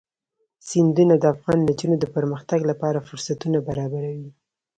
سیندونه د افغان نجونو د پرمختګ لپاره فرصتونه برابروي.